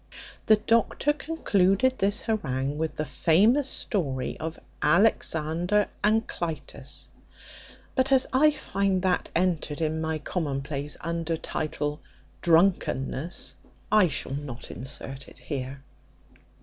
The doctor concluded this harangue with the famous story of Alexander and Clitus; but as I find that entered in my common place under title Drunkenness, I shall not insert it here.